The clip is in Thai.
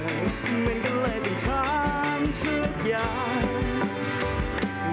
เหมือนกันเลยตั้งทุกอย่าง